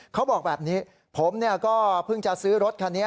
เขาบอกแบบนี้ผมก็เพิ่งจะซื้อรถคันนี้